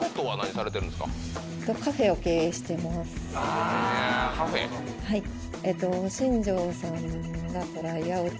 はい。